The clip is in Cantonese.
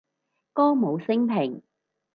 歌舞昇平